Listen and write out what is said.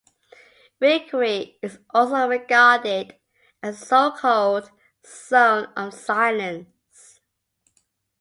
Wigry is also regarded as the so-called "zone of silence".